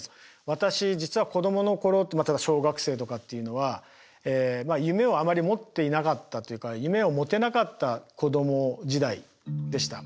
私実は子供の頃例えば小学生とかっていうのは夢をあまり持っていなかったというか夢を持てなかった子供時代でした。